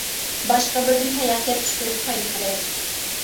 باشقا بىرىدىن تاياق يەپ چۈش كۆرسە، پايدا كۆرەر.